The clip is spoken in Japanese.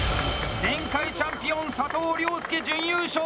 前回チャンピオン佐藤亮介、準優勝。